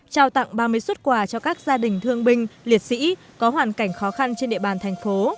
trao tặng ba mươi xuất quà cho các gia đình thương binh liệt sĩ có hoàn cảnh khó khăn trên địa bàn thành phố